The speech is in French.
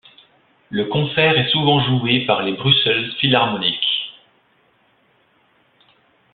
Le concert est souvent joué par le Brussels Philharmonic.